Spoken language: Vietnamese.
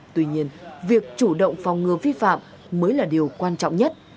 tuy nhiên việc chủ động phòng ngừa vi phạm mới là điều quan trọng nhất